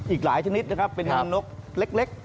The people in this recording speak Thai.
อีกหลายชนิดนะครับเป็นนกเล็ก